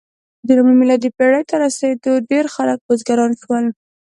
د لومړۍ میلادي پېړۍ تر رسېدو ډېری خلک بزګران شول.